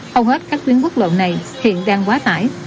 hầu hết các tuyến quốc lộ này hiện đang quá tải